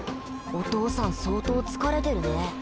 お父さん相当疲れてるね。